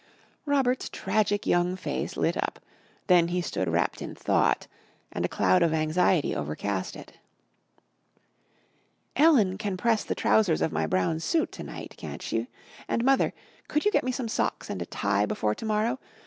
Robert's tragic young face lit up, then he stood wrapt in thought, and a cloud of anxiety overcast it. "Ellen can press the trousers of my brown suit to night, can't she? And, Mother, could you get me some socks and a tie before to morrow?